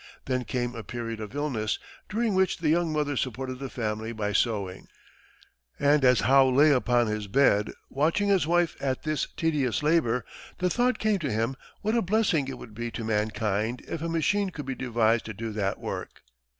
Then came a period of illness, during which the young mother supported the family by sewing; and as Howe lay upon his bed, watching his wife at this tedious labor, the thought came to him what a blessing it would be to mankind if a machine could be devised to do that work.